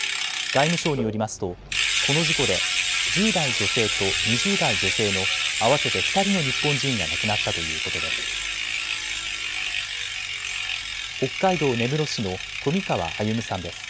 外務省によりますとこの事故で１０代女性と２０代女性の合わせて２人の日本人が亡くなったということです。